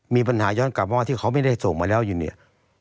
มีปัญหาย้อนกลับว่าที่เขาไม่ได้ส่งมาแล้วอยู่เนี่ย